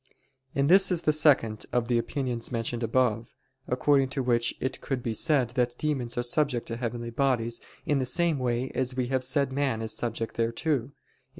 And this is the second of the opinions mentioned above: according to which it could be said that demons are subject to heavenly bodies in the same way as we have said man is subject thereto (A.